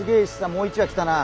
もう一羽来たな。